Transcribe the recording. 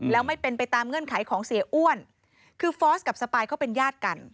แล้วไม่เป็นไปตามเงื่อนไขของเสียอ้วนคือฟอสกับสปายเขาเป็นญาติกัน